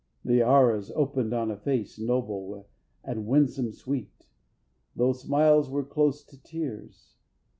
The arras opened on a face Noble and winsome sweet, though smiles were close To tears.